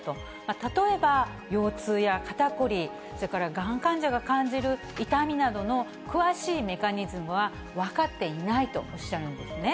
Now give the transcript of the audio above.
例えば腰痛や肩凝り、それからがん患者が感じる痛みなどの詳しいメカニズムは分かっていないとおっしゃるんですね。